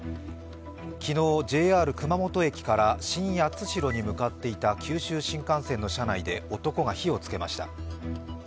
昨日、ＪＲ熊本駅から新八代に向かっていた九州新幹線の車内で男が火をつけました。